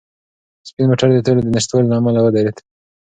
سپین موټر د تېلو د نشتوالي له امله ودرېد.